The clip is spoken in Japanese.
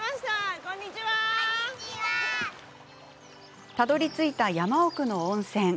たどりついた山奥の温泉。